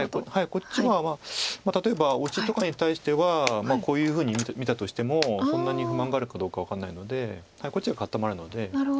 こっちは例えばオシとかに対してはこういうふうに見たとしてもそんなに不満があるかどうか分かんないのでこっちは固まるので。